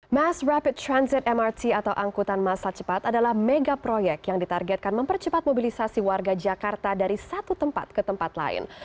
mass rapid transit mrt atau angkutan masa cepat adalah mega proyek yang ditargetkan mempercepat mobilisasi warga jakarta dari satu tempat ke tempat lain